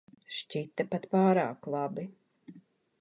Šķita pat pārāk labi.